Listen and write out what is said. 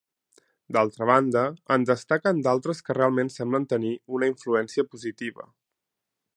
D'altra banda, en destaquen d'altres que realment semblen tenir una influència positiva.